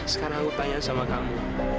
sekarang aku tanya sama kamu